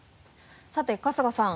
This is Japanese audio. さて春日さん。